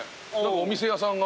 お店屋さんが。